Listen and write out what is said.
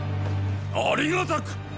ありがたく！